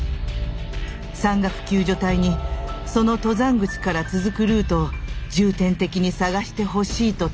山岳救助隊にその登山口から続くルートを重点的に捜してほしいと頼みました。